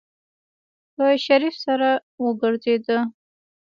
په شريف سر وګرځېده.